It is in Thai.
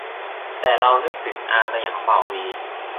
แต่เรานึกถึง "อาร์.สยาม" บ่าววี